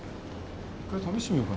１回試してみようかな。